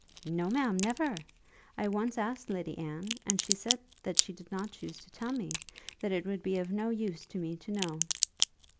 "No, ma'am, never. I once asked Lady Anne, and she said that she did not choose to tell me; that it would be of no use to me to know."